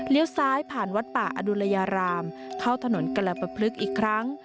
ซ้ายผ่านวัดป่าอดุลยารามเข้าถนนกรปพลึกอีกครั้ง